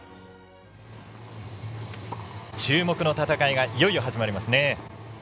注目の戦いがいよいよ始まります。